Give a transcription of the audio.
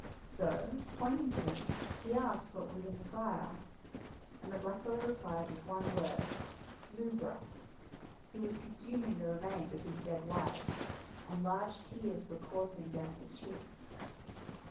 So, pointing to them, he asked what was in the fire, and the blackfellow replied with one word "lubra." He was consuming the remains of his dead wife, and large tears were coursing down his cheeks.